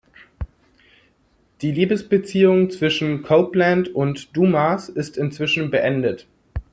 Die Liebesbeziehung zwischen Copeland und Dumas ist inzwischen beendet.